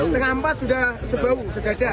setengah empat sudah sebau sedada